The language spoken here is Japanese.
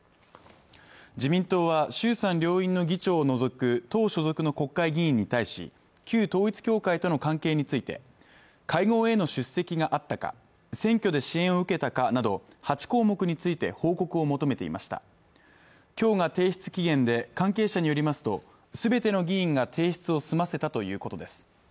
自民党は衆参両院の議長を除く党所属の国会議員に対し旧統一教会との関係について会合への出席があったか選挙で支援を受けたかなど８項目について報告を求めていました今日が提出期限で関係者によりますとすべての議員が提出を済ませたということです